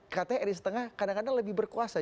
katanya ri setengah kadang kadang lebih berkuasa